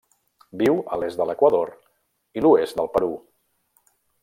Viu a l'est de l'Equador i l'oest del Perú.